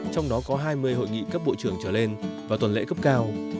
trong đó có hai mươi hội nghị cấp bộ trưởng trở lên và tuần lễ cấp cao